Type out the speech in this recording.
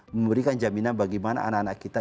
memberikan jaminan bagaimana anak anak kita